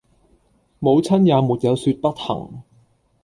母親也沒有説不行。